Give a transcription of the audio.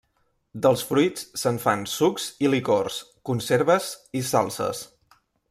Dels fruits se’n fan sucs i licors, conserves i salses.